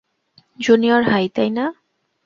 Junior high, তাই না?